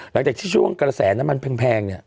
หลังจากที่ช่วงกระแสน้ำมันแพงเนี่ย